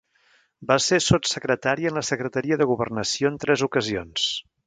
Va ser sotssecretària en la Secretaria de Governació en tres ocasions.